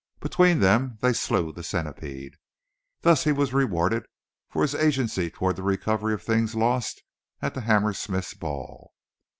Between them they slew the centipede. Thus was he rewarded for his agency toward the recovery of things lost at the Hammersmiths' ball.